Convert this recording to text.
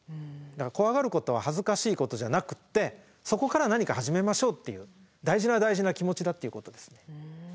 だから怖がることは恥ずかしいことじゃなくってそこから何か始めましょうっていう大事な大事な気持ちだっていうことですね。